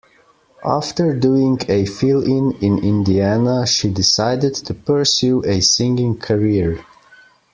After doing a fill-in in Indiana, she decided to pursue a singing career.